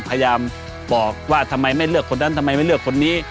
พยายามบอกว่าทำไมไม่เลือกคนนั้นทำไมไม่เลือกคนนี้